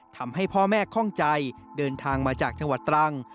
ทำให้พ่อแม่คล่องใจเดินทางมาจากจังหวัดตรัง